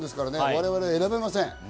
我々選べません。